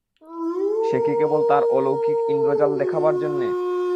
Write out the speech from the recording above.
সে কি কেবল তাঁর অলৌকিক ইন্দ্রজাল দেখাবার জন্যে?